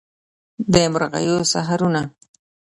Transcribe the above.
د مرغیو سحرونه